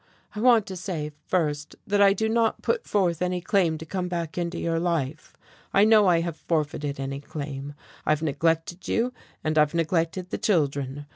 I want to say, first, that I do not put forth any claim to come back into your life. I know I have forfeited any claim. I've neglected you, and I've neglected the children.